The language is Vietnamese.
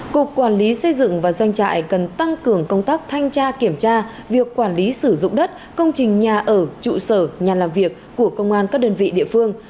cục quản lý xây dựng và doanh trại cần tăng cường công tác thanh tra kiểm tra việc quản lý sử dụng đất công trình nhà ở trụ sở nhà làm việc của công an các đơn vị địa phương